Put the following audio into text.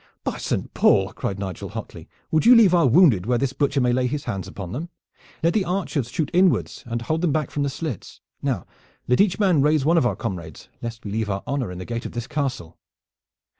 "By Saint Paul!" cried Nigel hotly. "Would you leave our wounded where this butcher may lay his hands upon them? Let the archers shoot inwards and hold them back from the slits. Now let each man raise one of our comrades, lest we leave our honor in the gate of this castle."